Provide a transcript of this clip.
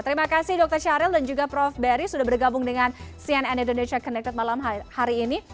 terima kasih dr syahril dan juga prof berry sudah bergabung dengan cnn indonesia connected malam hari ini